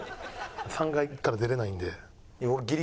３階から出れないんで。